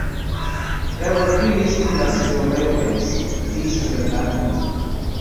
There were previously industrial railways, but these have been abandoned.